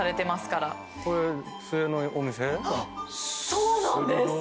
そうなんです！